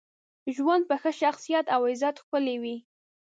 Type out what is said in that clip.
ژوند په ښه شخصیت او عزت ښکلی وي.